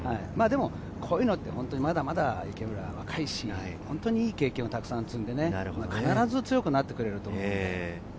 こういうのはまだまだ池村は若いし、ホントにいい経験をたくさん積んで、必ず強くなってくれると思う。